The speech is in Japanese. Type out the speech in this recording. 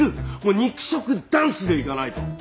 肉食男子でいかないと！